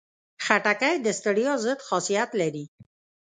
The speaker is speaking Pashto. خټکی د ستړیا ضد خاصیت لري.